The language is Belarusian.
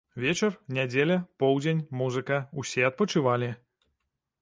Вечар, нядзеля, поўдзень, музыка, усе адпачывалі.